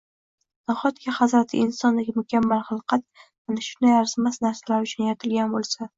Nahotki hazrati insondek mukammal xilqat mana shunday arzimas narsalar uchun yaratilgan bo‘lsa?!